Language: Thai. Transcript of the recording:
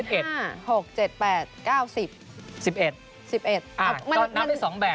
ก็นับได้๒แบบ